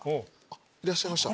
いらっしゃいました。